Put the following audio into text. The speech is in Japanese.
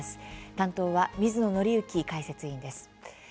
担当は水野倫之解説委員です。